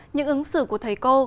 những ứng xử của thầy cô